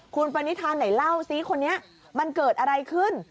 คุณปณิธาไหนเล่าซิคนนี้มันเกิดอะไรขึ้น